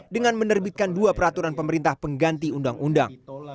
dengan menerbitkan dua peraturan pemerintah pengganti undang undang